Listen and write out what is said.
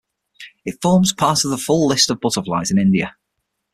It forms part of the full List of butterflies of India.